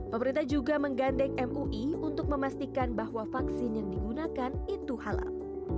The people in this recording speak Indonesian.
pemerintah juga menggandeng mui untuk memastikan bahwa vaksin yang digunakan itu halal